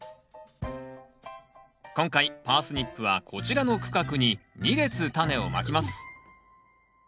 今回パースニップはこちらの区画に２列タネをまきます。